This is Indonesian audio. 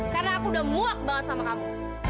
karena aku udah muak banget sama kamu